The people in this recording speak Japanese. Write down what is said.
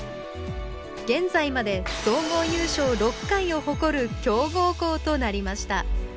現在まで総合優勝６回を誇る強豪校となりました